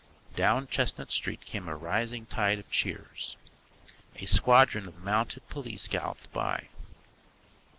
Down Chestnut Street came a rising tide of cheers. A squadron of mounted police galloped by.